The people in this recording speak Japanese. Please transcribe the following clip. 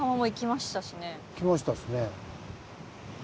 行きましたしね。